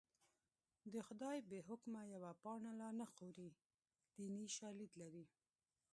د خدای بې حکمه یوه پاڼه لا نه خوري دیني شالید لري